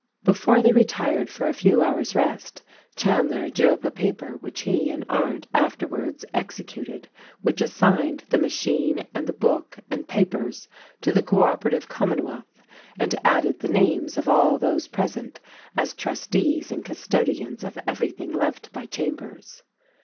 Before they retired for a few hours' rest Chandler drew up a paper which he and Arndt afterwards executed which assigned the machine and the book and papers to the Co Op erative Commonwealth and added the names of all those pres ent as trustees and custodians of everything left by Cham bers.